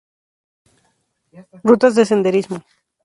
Rutas de Senderismo.